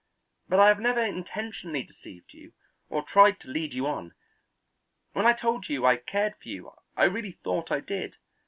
But I have never intentionally deceived you or tried to lead you on; when I told you I cared for you I really thought I did.